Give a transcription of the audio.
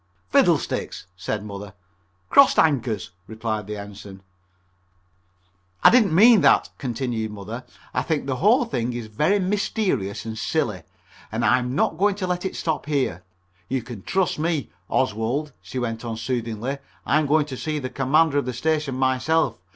"Fiddlesticks!" said Mother. "Crossed anchors," replied the Ensign. "I didn't mean that," continued Mother, "I think the whole thing is very mysterious and silly, and I'm not going to let it stop here. You can trust me, Oswald," she went on soothingly. "I am going to see the Commander of the station myself.